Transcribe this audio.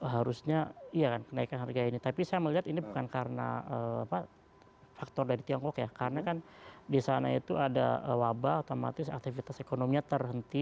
harusnya iya kan kenaikan harga ini tapi saya melihat ini bukan karena faktor dari tiongkok ya karena kan di sana itu ada wabah otomatis aktivitas ekonominya terhenti